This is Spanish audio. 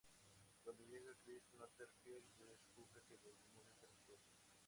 Cuando llega Chris Northfield, se descubre que los rumores eran ciertos.